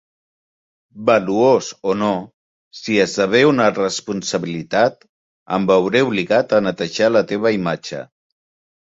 Valuós o no, si esdevé una responsabilitat, em veuré obligat a netejar la teva imatge.